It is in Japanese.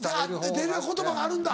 丁寧な言葉があるんだ。